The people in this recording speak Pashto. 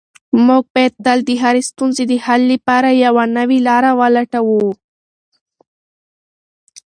موږ باید تل د هرې ستونزې د حل لپاره یوه نوې لاره ولټوو.